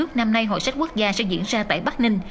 đó là mình cũng chuyển theo luôn